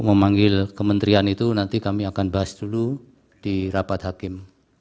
memanggil kementerian itu nanti kami akan bahas dulu di rapat hakim